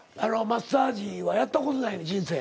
マッサージはやった事ないねん人生。